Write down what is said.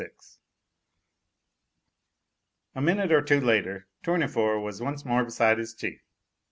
VI A minute or two later Tournefort was once more beside his chief.